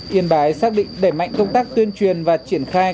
đẩy mạnh công tác tuyên truyền và triển khai